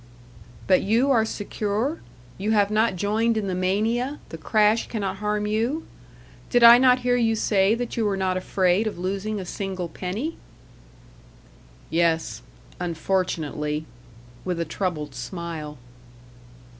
"But you are secure? You have not joined in the mania, the crash cannot harm you? Did I not hear you say that you were not afraid of losing a single penny?" "Yes unfortunately," with a troubled smile.